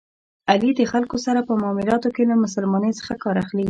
علي د خلکو سره په معاملاتو کې له مسلمانی څخه کار اخلي.